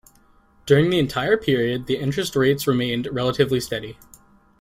During the entire period, the interest rates remained relatively steady.